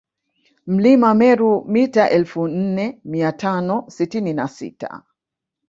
Mlima Meru mita elfu nne mia tano sitini na sita